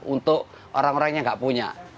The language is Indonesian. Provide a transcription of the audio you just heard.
untuk orang orang yang nggak punya